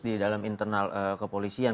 di dalam internal kepolisian